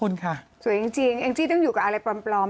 แลงจี่ต้องอยู่กับอะไรปลอม